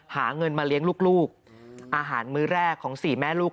หาเงินมาเลี้ยงลูกอาหารมื้อแรกของสี่แม่ลูก